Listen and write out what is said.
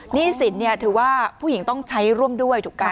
หนี้สินถือว่าผู้หญิงต้องใช้ร่วมด้วยถูกป่